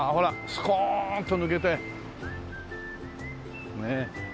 スコーンと抜けてねっ。